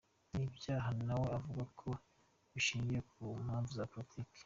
Ni ibyaha na we avuga ko bishingiye ku mpamvu za politiki.